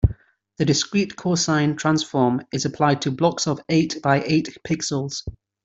The discrete cosine transform is applied to blocks of eight by eight pixels.